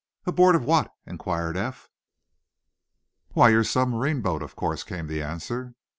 "Aboard of what?" inquired Eph. "Why, you're submarine boat, of course," came the answer.